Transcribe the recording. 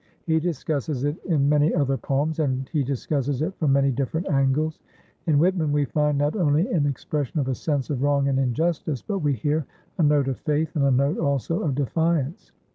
He discusses it in many other poems; and he discusses it from many different angles. In Whitman we find not only an expression of a sense of wrong and injustice, but we hear a note of faith and a note also of defiance.